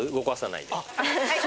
はい！